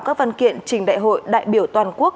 các văn kiện trình đại hội đại biểu toàn quốc